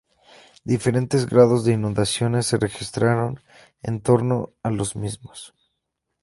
Diferentes grados de inundaciones se registraron en torno a los mismos.